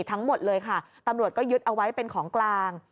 ทั้งหมดเลยค่ะตำรวจก็ยึดเอาไว้เป็นของกลาง